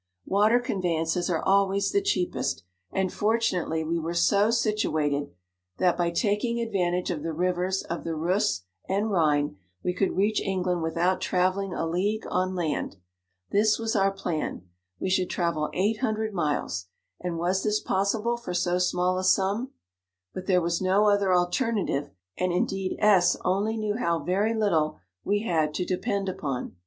Water conveyances are always the cheapest, and fortunately we were so situated, that by taking advantage of the rivers of the Reuss and Rhine, we could reach England without travel ling a league on land. This was our plan ; we should travel eight hundred miles, and was this possible for so small 55 a sum ? but there was no other alter native, and indeed S only knew how very little we had to depend upon.